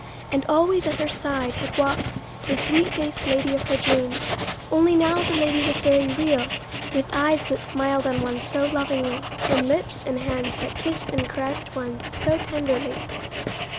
And always at her side had walked the sweet faced lady of her dreams, only now the lady was very real, with eyes that smiled on one so lovingly, and lips and hands that kissed and caressed one so tenderly.